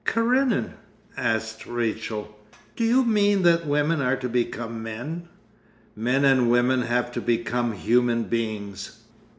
'Karenin?' asked Rachel, 'do you mean that women are to become men?' 'Men and women have to become human beings.